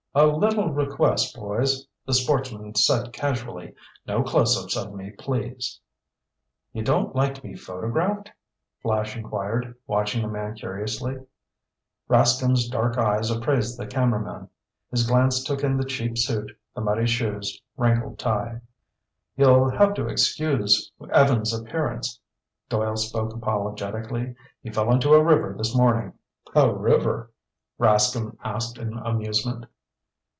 "A little request, boys," the sportsman said casually. "No close ups of me, please." "You don't like to be photographed?" Flash inquired, watching the man curiously. Rascomb's dark eyes appraised the cameraman. His glance took in the cheap suit, the muddy shoes, wrinkled tie. "You'll have to excuse Evans' appearance." Doyle spoke apologetically. "He fell into a river this morning." "A river?" Rascomb asked in amusement.